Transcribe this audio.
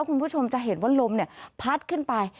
คุณผู้ชมจะเห็นว่าลมพัดขึ้นไป